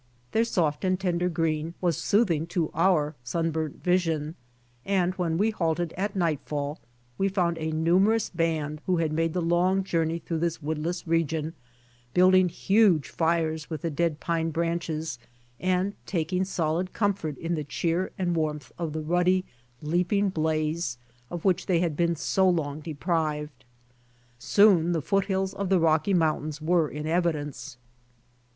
Their soft and tender green was soothing to our sunburnt vision, and when we halted at nightfall we found a numerous band, who had made the long journey through this woodless region, building huge fires with the dead pine branches, and taking solid comfort in the cheer and warmth of the ruddy, leaping blaze of which they had been so long deprived. Soon the foothills of the Rocky mountains were in evidence.